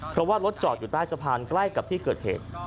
เพราะว่ารถจอดอยู่ใต้สะพานใกล้กับที่เกิดเหตุ